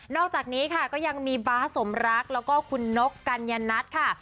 อกจากนี้ค่ะก็ยังมีบ๊าสมรักแล้วก็คุณนกกัญญนัทค่ะ